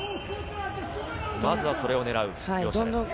まずはそれを狙う両者です。